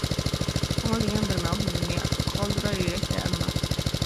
كۆڭۈل دېگەن بىر مەۋھۇم دۇنيا، ئىز قالدۇرار يۈرەكتە ئەمما.